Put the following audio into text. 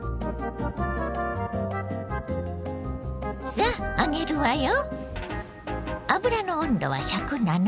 さあ揚げるわよ。